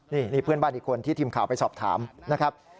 นี่เพื่อนบ้านอีกคนที่ทีมข่าวไปสอบถามนะครับ